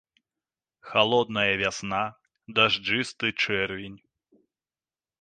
Халодная вясна, дажджысты чэрвень.